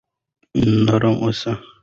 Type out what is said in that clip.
نرم اوسئ.